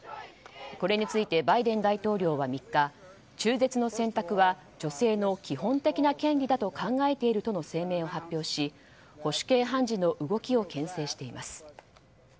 これについてバイデン大統領は３日中絶の選択は女性の基本的な権利だと考えているとの声明を発表し保守系判事の動きを牽制しています。